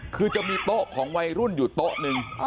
คือจะมีโต๊ะของวัยรุ่นอยู่โต๊ะหนึ่ง